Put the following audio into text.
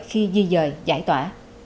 khi di dời giải tỏa